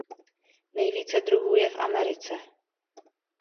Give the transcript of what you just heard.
Nejvíce druhů je v Americe.